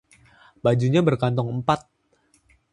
bajunya berkantong empat